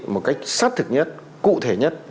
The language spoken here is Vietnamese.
một cách sát thực nhất cụ thể nhất